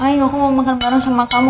ayo aku mau makan bareng sama kamu